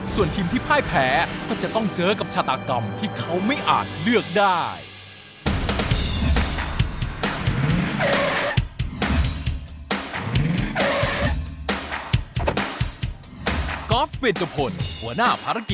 ส่วนทีมที่พ่ายแพ้ก็จะต้องเจอกับชาตากรรมที่เขาไม่อาจเลือกได้